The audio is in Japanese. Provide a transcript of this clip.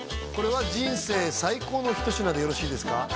これは人生最高の一品でよろしいですか？